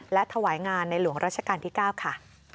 และถวายงานในหลวงราชการที่๙ค่ะ